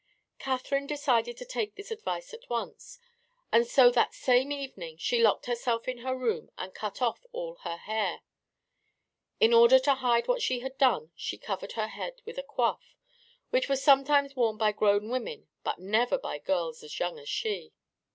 Catherine decided to take his advice at once, and so that same evening she locked herself in her room and cut off all her hair. In order to hide what she had done she covered her head with a coif, which was sometimes worn by grown women but never by girls as young as she.